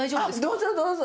どうぞどうぞ。